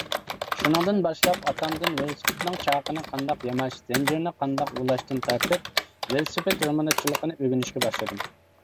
شۇنىڭدىن باشلاپ ئاتامدىن ۋېلىسىپىتنىڭ چاقىنى قانداق ياماش، زەنجىرىنى قانداق ئۇلاشتىن تارتىپ، ۋېلىسىپىت رېمونتچىلىقىنى ئۆگىنىشكە باشلىدىم.